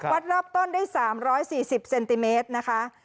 วัดรอบต้นได้๓๔๐เซนติเมตรนะคะ